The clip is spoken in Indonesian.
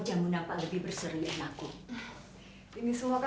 semua berjalan lancar